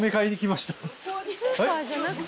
スーパーじゃなくて？